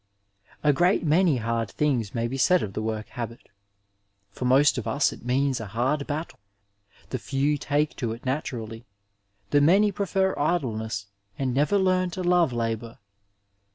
A great many hard things may be said of the work habit: For most of us it means a hard battie ; the few take to it naturally ; the many prefer idleness and never learn to love labour.